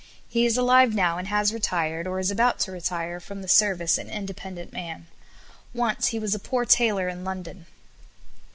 He is alive now and has retired, or is about to retire from the service an independent man. Once he was a poor tailor in London.